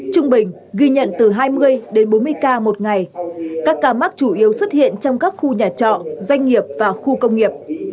trung bình ghi nhận từ hai mươi đến bốn mươi ca một ngày các ca mắc chủ yếu xuất hiện trong các khu nhà trọ doanh nghiệp và khu công nghiệp